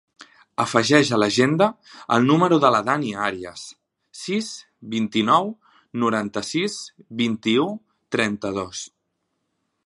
Afegeix a l'agenda el número de la Dània Arias: sis, vint-i-nou, noranta-sis, vint-i-u, trenta-dos.